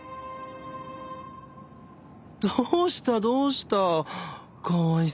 どうしたどうしたかわいそうに。